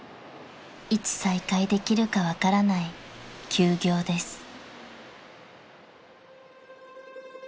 ［いつ再開できるか分からない休業です］